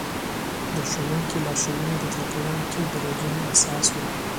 د ښوونکي لارښوونې د زده کوونکو د روزنې اساس و.